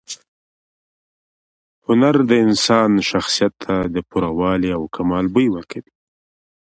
هنر د انسان شخصیت ته د پوره والي او کمال بوی ورکوي.